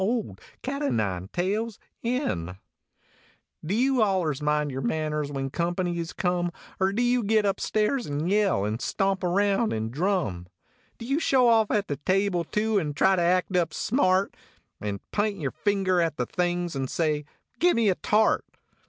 old cat o nine tails in. 99 THE CA T O NINE TAILS Do you allers mind your manners when company is come ? Er do you git up stairs nd yell, nd stomp around nd drum? Do you show off at the table, too, nd try to act up smart, Nd p intyer finger at the things ndsay : "Gimme a tart?"